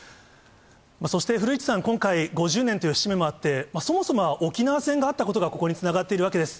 そして古市さん、今回、５０年という節目もあって、そもそもは沖縄戦があったことが、ここにつながっているわけです。